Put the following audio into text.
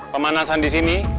pemanasan di sini